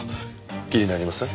気になりません？